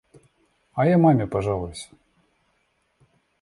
А я маме пожалуюсь.